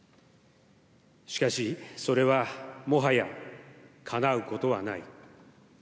しかし、それはもはやかなうことはない。